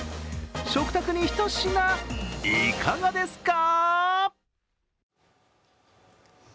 食卓に一品、いかがですか？